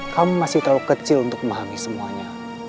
kamu masih terlalu kecil untuk memahami semuanya